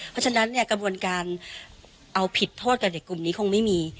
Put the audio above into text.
เพราะฉะนั้นเนี่ยกระบวนการเอาผิดโทษกับเด็กกลุ่มนี้คงไม่มี